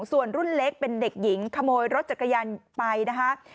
ส่วนรุ่นเล็กเป็นเด็กหญิงขโมยรถจักรยานไปนะคะ